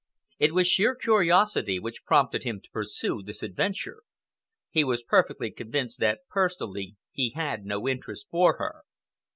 It was sheer curiosity which prompted him to pursue this adventure. He was perfectly convinced that personally he had no interest for her.